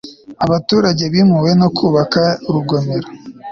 abaturage bimuwe no kubaka urugomero